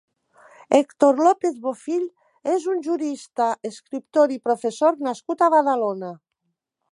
Hèctor López Bofill és un jurista, escriptor i professor nascut a Badalona.